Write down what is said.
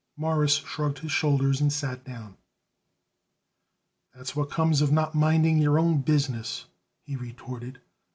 Morris shrugged his shoulders and sat down. "That's what comes of not minding your own business," he retorted.